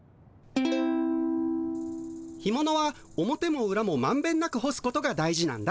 干ものは表もうらもまんべんなく干すことが大事なんだ。